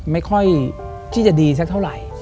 ไม่ค่อยที่จะดีสักเท่าไหร่